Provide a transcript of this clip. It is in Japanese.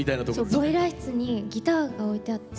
ボイラー室にギターが置いてあって。